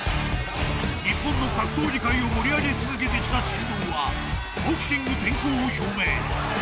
［日本の格闘技界を盛り上げ続けてきた神童はボクシング転向を表明］